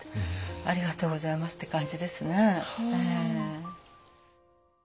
ありがとうございますって感じですね。